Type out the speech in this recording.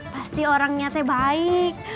pasti orangnya t baik